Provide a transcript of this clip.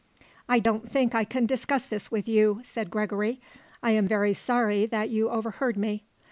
"I don't think I can discuss this with you," said Gregory. "I am very sorry that you overheard me."